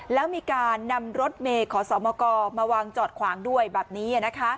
และมีการนำรถเมขสอบกลมาวางจอดขวางด้วยบัตรนี้อะนะคะ